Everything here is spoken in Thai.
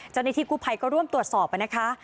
จนที่กุภัยก็ร่วมตรวจสอบนะคะ